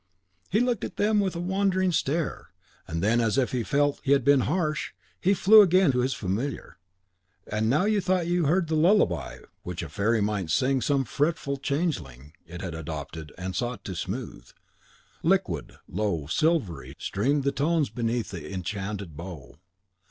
He looked at them with a wondering stare; and then, as if he felt he had been harsh, he flew again to his Familiar. And now you thought you heard the lullaby which a fairy might sing to some fretful changeling it had adopted and sought to soothe. Liquid, low, silvery, streamed the tones beneath the enchanted bow.